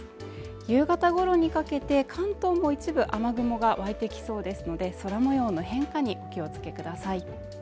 夕方頃にかけて関東も一部雨雲が湧いてきそうですので、空模様の変化にお気をつけください。